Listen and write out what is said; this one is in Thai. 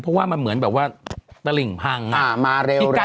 เพราะว่ามันเหมือนแบบว่าตลิ่งพังมาเร็วแรง